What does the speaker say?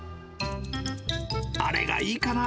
あれがいいかな？